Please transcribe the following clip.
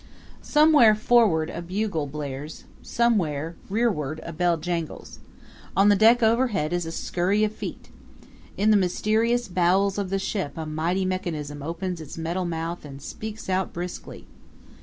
Somewhere forward a bugle blares; somewhere rearward a bell jangles. On the deck overhead is a scurry of feet. In the mysterious bowels of the ship a mighty mechanism opens its metal mouth and speaks out briskly.